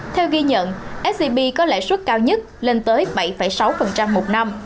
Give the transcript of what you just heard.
theo ghi nhận sgb có lãi suất cao nhất lên tới bảy sáu một năm